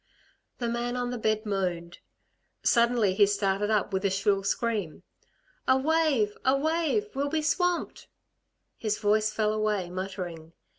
The man on the bed moaned. Suddenly he started up with a shrill scream. "A wave! A wave! We'll be swamped." His voice fell away, muttering.